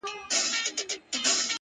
لږ وروسته احساس کوي